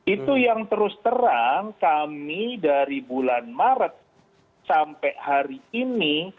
itu yang terus terang kami dari bulan maret sampai hari ini